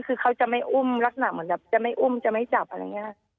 คือเขาจะไม่อุ้มลักษณะเหมือนแบบจะไม่อุ้มจะไม่จับอะไรอย่างนี้ค่ะ